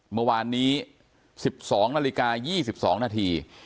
เมื่อวานนี้๑๒นาฬิกา๒๒นาที